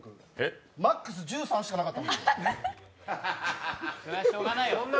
マックス１３しかなった。